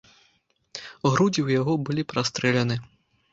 Грудзі ў яго былі прастрэлены.